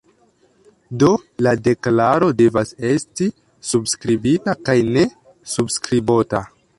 Do, la deklaro devas esti subskribita kaj ne subskribota.